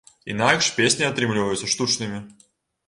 Інакш песні атрымліваюцца штучнымі.